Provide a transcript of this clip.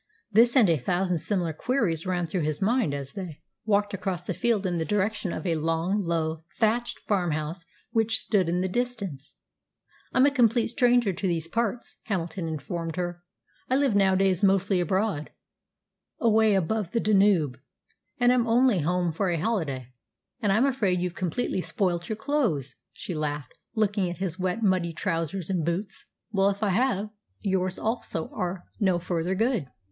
This, and a thousand similar queries ran through his mind as they walked across the field in the direction of a long, low, thatched farmhouse which stood in the distance. "I'm a complete stranger in these parts," Hamilton informed her. "I live nowadays mostly abroad, away above the Danube, and am only home for a holiday." "And I'm afraid you've completely spoilt your clothes," she laughed, looking at his wet, muddy trousers and boots. "Well, if I have, yours also are no further good."